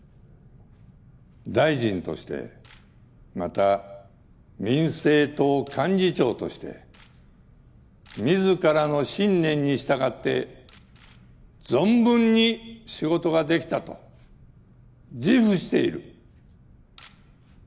大臣としてまた民政党幹事長として自らの信念に従って存分に仕事ができたと自負している。